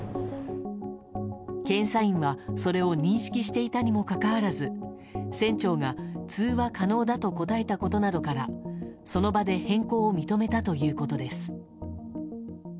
検査員は、それを認識していたにもかかわらず船長が通話可能だと答えたことなどからその場で変更を認めたということです。